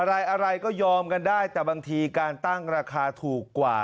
อะไรอะไรก็ยอมกันได้แต่บางทีการตั้งราคาถูกกว่า